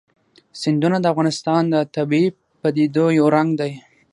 سیندونه د افغانستان د طبیعي پدیدو یو رنګ دی.